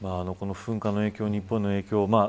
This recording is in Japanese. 噴火の影響、日本への影響